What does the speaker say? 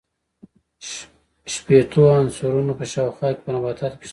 شپیتو عنصرونو په شاوخوا کې په نباتاتو کې شتون لري.